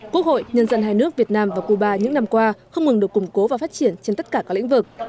quốc hội nhân dân hai nước việt nam và cuba những năm qua không ngừng được củng cố và phát triển trên tất cả các lĩnh vực